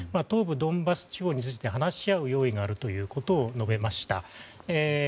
東部ドンバス地方について話し合う用意があるということを述べました。